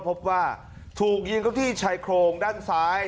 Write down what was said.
พบว่าถูกยิงเขาที่ชายโครงด้านซ้าย